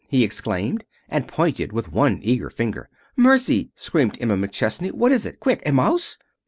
he exclaimed, and pointed with one eager finger. "Mercy!" screamed Emma McChesney. "What is it? Quick! A mouse?"